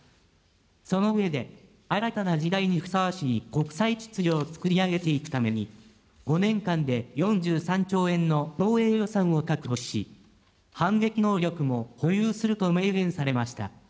その上で、新たな時代にふさわしい国際秩序を創り上げていくために、５年間で４３兆円の防衛予算を確保し、反撃能力も保有すると明言されました。